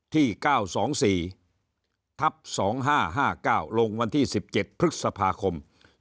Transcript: ที่๙๒๔ทับ๒๕๕๙ลงวันที่๑๗พฤษภาคม๒๕๖